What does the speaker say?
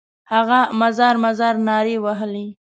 هغه مزار مزار نارې وهلې.